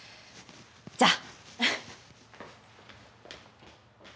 じゃあ！